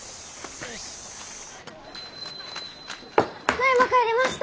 ただいま帰りました！